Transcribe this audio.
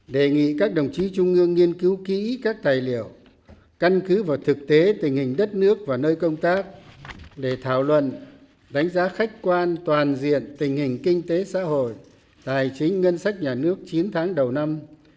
đề nghị các đồng chí trung ương nghiên cứu kỹ các tài liệu căn cứ vào thực tế tình hình đất nước và nơi công tác để thảo luận đánh giá khách quan toàn diện tình hình kinh tế xã hội tài chính ngân sách nhà nước chín tháng đầu năm